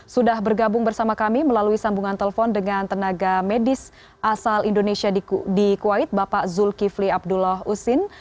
sudah bergabung bersama kami melalui sambungan telepon dengan tenaga medis asal indonesia di kuwait bapak zulkifli abdullah usin